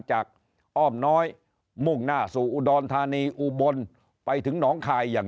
อ้อมน้อยมุ่งหน้าสู่อุดรธานีอุบลไปถึงหนองคายอย่าง